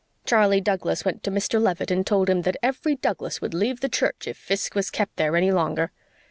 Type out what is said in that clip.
Charley Douglas went to Mr. Leavitt and told him that every Douglas would leave the church if Fiske was kept there any longer.